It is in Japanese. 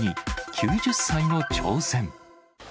９０歳の挑戦。